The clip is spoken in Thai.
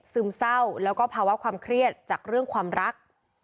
ซึมเศร้าแล้วก็ภาวะความเครียดจากเรื่องความรัก